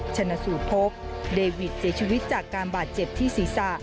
ชนะสูตรพบเดวิทเสียชีวิตจากการบาดเจ็บที่ศีรษะ